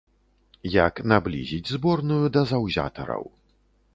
Як наблізіць зборную да заўзятараў.